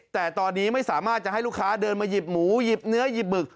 แต่ตอนนี้ไม่สามารถจะให้ลูกค้าเดินมาหยิบหมูหยิบเนื้อหยิบหมึก